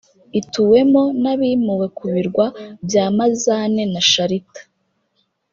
ituwemo n’abimuwe ku birwa bya Mazane na Sharita